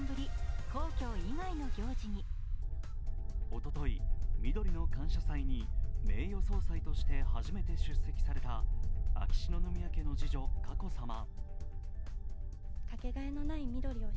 おととい、みどりの感謝祭に名誉総裁として初めて出席された秋篠宮家の次女・佳子さま。